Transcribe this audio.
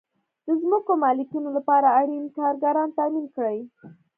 د ځمکو مالکینو لپاره اړین کارګران تامین کړئ.